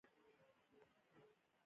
ایا زه باید زیارت ته لاړ شم؟